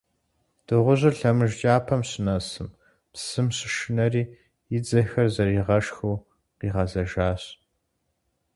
Дыгъужьыр лъэмыж кӀапэм щынэсым, псым щышынэри, и дзэхэр зэригъэшхыу къигъэзэжащ.